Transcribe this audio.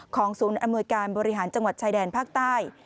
ศูนย์อำนวยการบริหารจังหวัดชายแดนภาคใต้